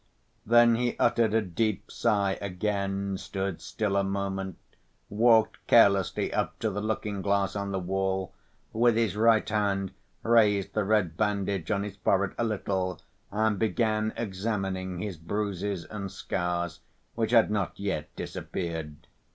Then he uttered a deep sigh, again stood still a moment, walked carelessly up to the looking‐glass on the wall, with his right hand raised the red bandage on his forehead a little, and began examining his bruises and scars, which had not yet disappeared.